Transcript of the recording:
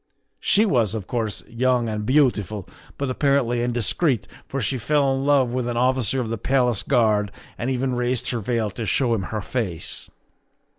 She was, of course, young and beautiful, but apparently indiscreet, for she fell in love with an officer of the Palace Guard and even raised her veil to show him her face.